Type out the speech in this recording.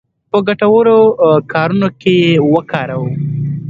په ګټورو کارونو کې یې وکاروو.